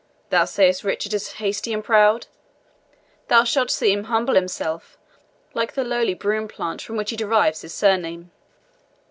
Thou sayest Richard is hasty and proud thou shalt see him humble himself like the lowly broom plant from which he derives his surname."